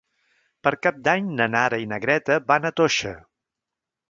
Per Cap d'Any na Nara i na Greta van a Toixa.